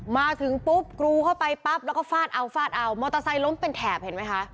มาถึงปุ๊บกรูเข้าไปปั๊บแล้วก็ฟาดเอาฟาดเอามอเตอร์ไซค์ล้มเป็นแถบเห็นไหมคะ